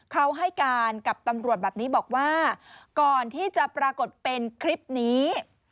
เขาให้การกับตำรวจแบบนี้บอกว่าก่อนที่จะปรากฏเป็นคลิปนี้